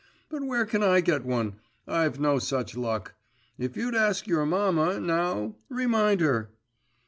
But where can I get one? I've no such luck. If you'd ask your mamma, now remind her.